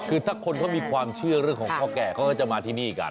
คือถ้าคนเขามีความเชื่อเรื่องของพ่อแก่เขาก็จะมาที่นี่กัน